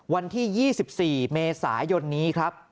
วันที่๒๔เมษายนนี้ครับ